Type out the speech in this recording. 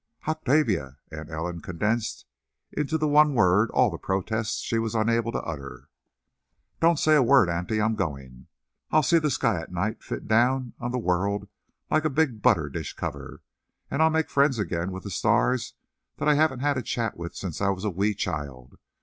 "Octavia!" Aunt Ellen condensed into the one word all the protests she was unable to utter. "Don't say a word, auntie. I'm going. I'll see the sky at night fit down on the world like a big butter dish cover, and I'll make friends again with the stars that I haven't had a chat with since I was a wee child.